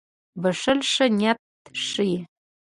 • بښل ښه نیت ښيي.